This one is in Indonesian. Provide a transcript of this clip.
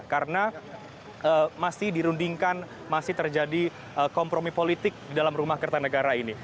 karena masih dirundingkan masih terjadi kompromi politik di dalam rumah kertanegara ini